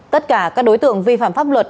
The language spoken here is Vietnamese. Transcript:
tất cả các đối tượng vi phạm pháp luật